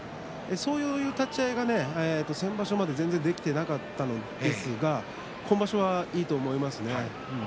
そういう立ち合いが先場所までは全然できていなかったので今場所はいいと思いますね。